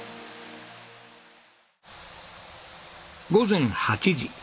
午前８時。